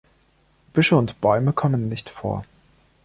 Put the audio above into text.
Büsche und Bäume kommen nicht vor.